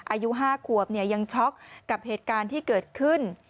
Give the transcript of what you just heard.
อายุ๕ขวบยังช็อกกับเหตุการณ์ที่เกิดขึ้น